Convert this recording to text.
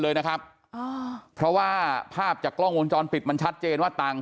เลยนะครับอ๋อเพราะว่าภาพจากกล้องวงจรปิดมันชัดเจนว่าต่าง